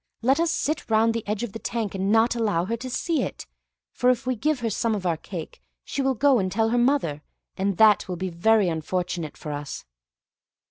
Let us sit round the edge of the tank and not allow her to see it, for if we give her some of our cake, she will go and tell her mother; and that will be very unfortunate for us."